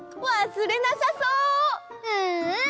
うんうん！